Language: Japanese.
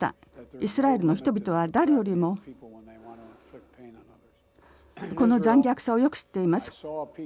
イスラエルの人々は誰よりもこの残虐さをよく知っています。